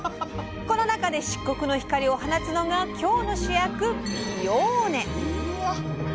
この中で漆黒の光を放つのが今日の主役ピオーネ！